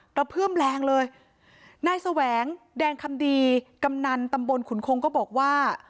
กระเพื่อมแรงเลยนายแสวงแดงคำดีกำนันตำบลขุนคงก็บอกว่า